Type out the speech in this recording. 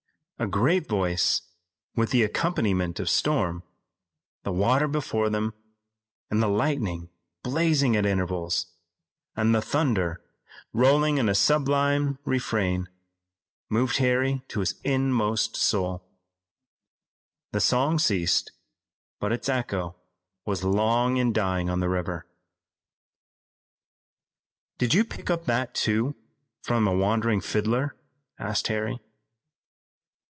A great voice with the accompaniment of storm, the water before them, the lightning blazing at intervals, and the thunder rolling in a sublime refrain, moved Harry to his inmost soul. The song ceased, but its echo was long in dying on the river. "Did you pick up that, too, from a wandering fiddler?" asked Harry.